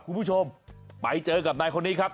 คุณผู้ชมไปเจอกับนายคนนี้ครับ